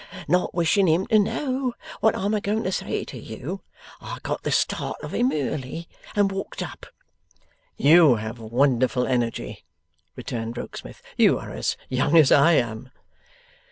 Not wishing him to know what I'm a going to say to you, I got the start of him early and walked up.' 'You have wonderful energy,' returned Rokesmith. 'You are as young as I am.